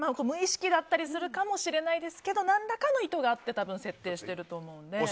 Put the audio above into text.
無意識だったりするかもしれないですけど何らかの意図があって設定していると思うので。